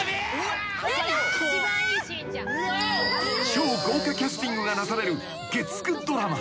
［超豪華キャスティングがなされる月９ドラマ］